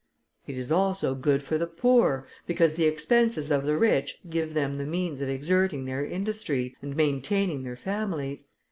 It is also good for the poor, because the expenses of the rich give them the means of exerting their industry, and maintaining their families.